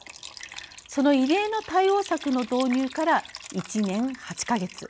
その異例の対応策の導入から１年８か月。